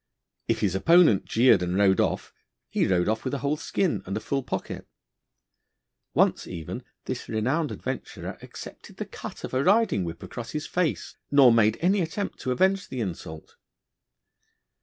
If his opponent jeered and rode off, he rode off with a whole skin and a full pocket. Once even this renowned adventurer accepted the cut of a riding whip across his face, nor made any attempt to avenge the insult.